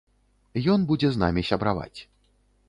Ён будзе з намі сябраваць.